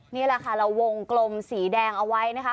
นี่แหละค่ะเราวงกลมสีแดงเอาไว้นะคะ